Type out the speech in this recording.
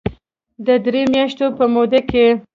د درې مياشتو په موده کې